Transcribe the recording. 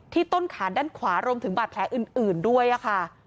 ต้นขาด้านขวารวมถึงบาดแผลอื่นด้วยค่ะ